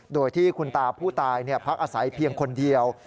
โดยที่คุณตาผู้ตายพักอาศัยเพียงคนเดียว